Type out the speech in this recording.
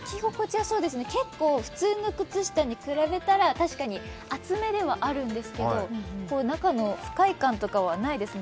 結構、普通の靴下に比べたら確かに厚めではあるんですけど、中の不快感はないですね。